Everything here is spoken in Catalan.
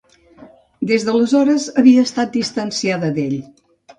Des d'aleshores havia estat distanciada d'ell.